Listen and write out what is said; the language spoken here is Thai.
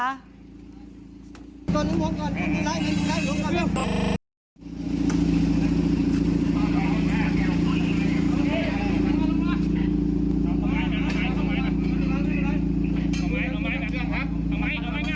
ดับเครื่องค่ะดับเครื่องค่ะ